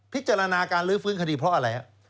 พิจารณาการลื้อฟื้นคดีเพราะอะไรฮะ